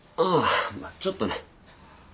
うんちょっとね。